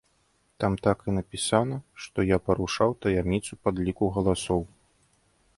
Там так і напісана, што я парушаў таямніцу падліку галасоў.